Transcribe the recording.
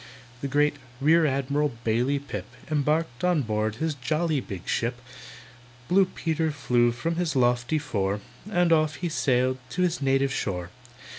The great REAR ADMIRAL BAILEY PIP Embarked on board his jolly big ship, Blue Peter flew from his lofty fore, And off he sailed to his native shore.